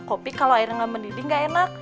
kopi kalau airnya gak mendidih gak enak